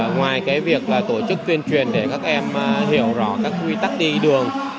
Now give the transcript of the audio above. ngoài việc tổ chức tuyên truyền để các em hiểu rõ các quy tắc đi đường